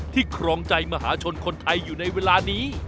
ครองใจมหาชนคนไทยอยู่ในเวลานี้